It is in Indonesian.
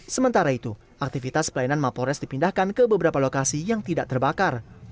sementara itu aktivitas pelayanan mapores dipindahkan ke beberapa lokasi yang tidak terbakar